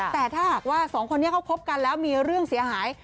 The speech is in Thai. แต่ถ้าหากว่าสองคนนี้เขาคบกันแล้วมีเรื่องเสียหาย